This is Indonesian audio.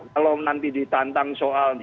kalau nanti ditantang soal